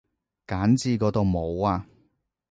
揀字嗰度冇啊